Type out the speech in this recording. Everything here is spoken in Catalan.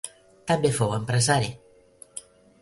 També fou empresari.